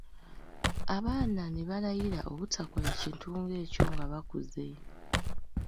Abaana ne balayira obutakola kintu ng'ekyo nga bakuze.